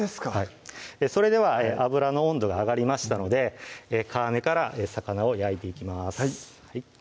それでは油の温度が上がりましたので皮目から魚を焼いていきます